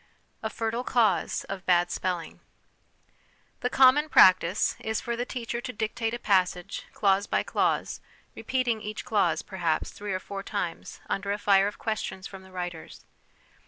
A Fertile Cause of Bad Spelling. The common practice is for the teacher to dictate a passage, clause by clause, repeating each clause, perhaps, three or four times under a fire of questions from the writers.